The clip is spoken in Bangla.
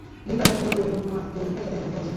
পিটার ওটুল এবং নোয়াহ জুপ একসাথে অভিনয় করেছেন।